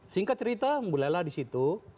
singkat cerita mulailah di situ